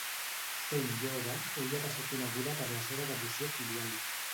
Sent jove ella va ser coneguda per la seva devoció filial.